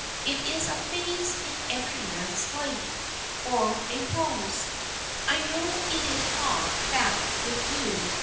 It is a phase in every man's life or a pose. I know it is not that with you.